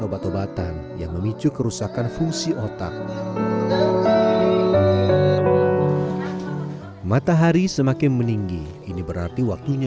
obat obatan yang memicu kerusakan fungsi otak matahari semakin meninggi ini berarti waktunya